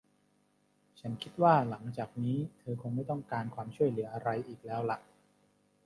ฉันคิดว่าหลังจากนี้เธอคงไม่ต้องการความช่วยเหลืออะไรอีกแล้วล่ะ